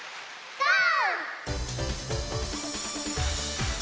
ゴー！